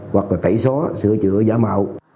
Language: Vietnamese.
hoặc là tẩy xóa sửa chữa giả mạo